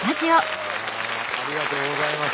ありがとうございます。